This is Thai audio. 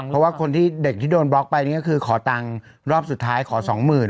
เพราะว่าคนที่เด็กที่โดนบล็อกไปนี่ก็คือขอตังค์รอบสุดท้ายขอสองหมื่น